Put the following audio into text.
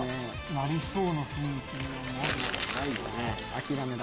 なりそうな雰囲気ないな。